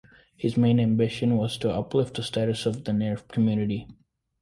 His main ambition was to uplift the status of the Nair community.